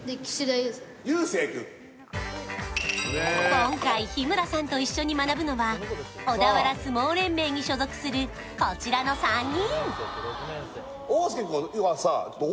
今回、日村さんと一緒に学ぶのは小田原相撲連盟に所属する、こちらの３人。